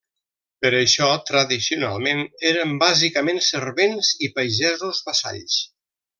Per això, tradicionalment, eren bàsicament servents i pagesos vassalls.